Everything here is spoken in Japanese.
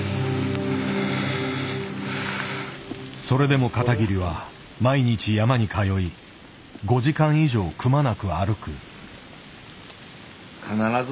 それでも片桐は毎日山に通い５時間以上くまなく歩く。